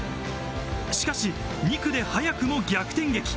しかし、２区で早くも逆転劇。